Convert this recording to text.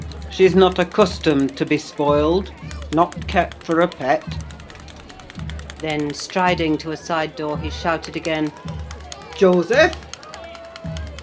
"She's not accustomed to be spoiled—not kept for a pet." Then, striding to a side door, he shouted again, "Joseph!"